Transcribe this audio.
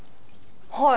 はい。